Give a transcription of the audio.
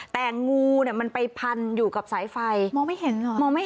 แต่งูเนี่ยมันไปพันอยู่กับสายไฟมองไม่เห็นเหรอ